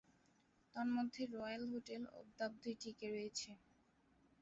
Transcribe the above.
তন্মধ্যে royal hotel অদ্যাবধি টিকে রয়েছে।